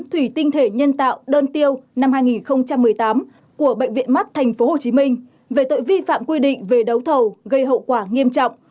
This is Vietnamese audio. thủy tinh thể nhân tạo đơn tiêu năm hai nghìn một mươi tám của bệnh viện mắt tp hcm về tội vi phạm quy định về đấu thầu gây hậu quả nghiêm trọng